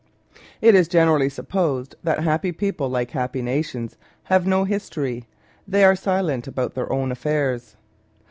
It is generally supposed that happy people, like happy nations, have no history — they are silent about their own affairs.